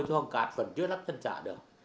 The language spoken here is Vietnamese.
thì hoàng cát vẫn chưa lắp chân giả được